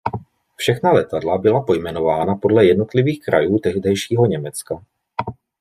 Všechna letadla byla pojmenována podle jednotlivých krajů tehdejšího Německa.